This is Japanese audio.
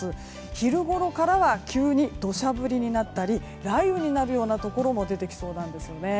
昼頃からは急に土砂降りになったり雷雨になるようなところも出てきそうなんですよね。